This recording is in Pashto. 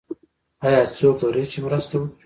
ایا څوک لرئ چې مرسته وکړي؟